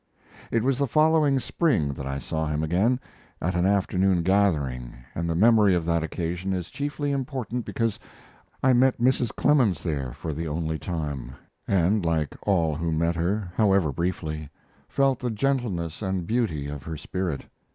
It was the following spring that I saw him again at an afternoon gathering, and the memory of that occasion is chiefly important because I met Mrs. Clemens there for the only time, and like all who met her, however briefly, felt the gentleness and beauty of her spirit.